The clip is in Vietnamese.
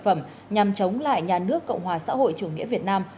tòa án nhằm chống lại nhà nước cộng hòa xã hội chủ nghĩa việt nam